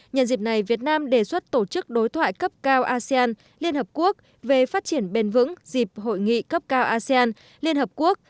nhân dịp này việt nam đề xuất tổ chức đối thoại cấp cao asean liên hợp quốc về phát triển bền vững dịp hội nghị cấp cao asean liên hợp quốc